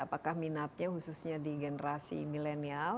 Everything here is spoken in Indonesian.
apakah minatnya khususnya di generasi milenial